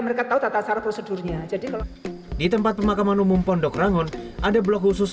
mereka tahu tata cara prosedurnya di tempat pemakaman umum pondok rangun ada blok khusus